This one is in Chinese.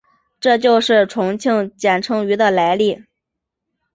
这就是重庆简称渝的来历。